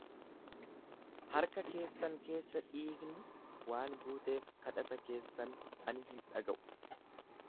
Harka keessan keessa dhiigni waan guuteef, kadhata keessan ani hin dhaga'u.